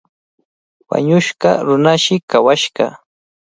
Wañushqa runashi kawashqa.